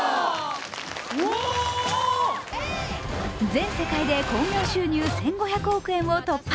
全世界で興行収入１５００億円を突破。